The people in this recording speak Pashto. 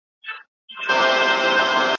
د ابوجهل خوله به ماته وي شیطان به نه وي